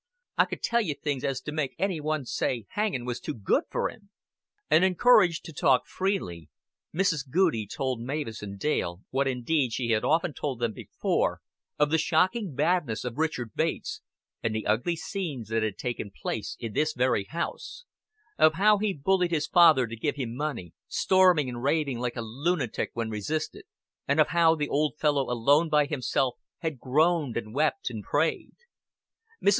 I could tell you things as 'd make any one say hanging was too good for him." And, encouraged to talk freely, Mrs. Goudie told Mavis and Dale, what indeed she had often told them before, of the shocking badness of Richard Bates and the ugly scenes that had taken place in this very house; of how he bullied his father to give him money, storming and raving like a lunatic when resisted; and of how the old fellow alone by himself had groaned and wept and prayed. Mrs.